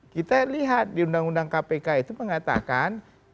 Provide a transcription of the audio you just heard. kita lihat di undang undang kpk itu mengatakan